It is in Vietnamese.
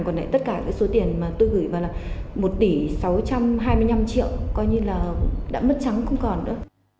còn lại tất cả cái số tiền mà tôi gửi vào là một tỷ sáu trăm hai mươi năm triệu coi như là đã mất trắng không còn nữa